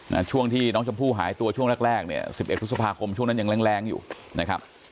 ในช่วงที่น้องชมพู่หายตัวช่วงแรกแรกเนี่ยสิบเอ็ดพฤษภาคมช่วงนั้นยังแรงแรงอยู่นะครับ